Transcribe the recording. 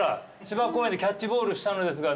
芝公園でキャッチボールしたのですが。